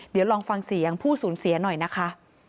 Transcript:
เดี๋ยวลองฟังเสียงผู้สูญเสียหน่อยนะคะ